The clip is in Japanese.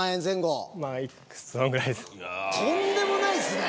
とんでもないですね！